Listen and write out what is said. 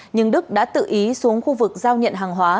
nhưng đức đã tự ý xuống khu vực giao nhận hàng hóa